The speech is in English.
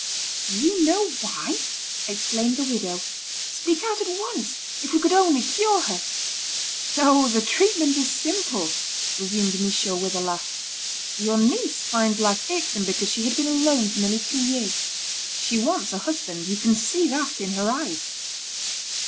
"You know why!" exclaimed the widow. "Speak out at once. If we could only cure her!" "Oh! the treatment is simple," resumed Michaud with a laugh. "Your niece finds life irksome because she had been alone for nearly two years. She wants a husband; you can see that in her eyes."